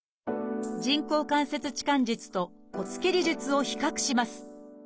人工関節置換術と骨切り術を比較します。